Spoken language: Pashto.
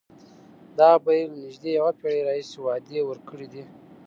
دا بهیر له نژدې یوه پېړۍ راهیسې وعدې ورکړې دي.